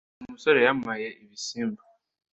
Uwo musore yampaye ibisimba.